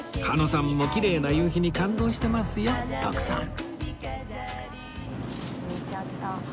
羽野さんもきれいな夕日に感動してますよ徳さん